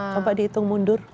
coba dihitung mundur